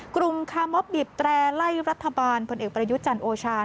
กลุ่มคาร์มอบบีบแตร่ไล่รัฐบาลพลเอกประยุทธ์จันทร์โอชา